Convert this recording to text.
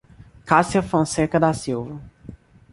Cassia Fonseca da Silva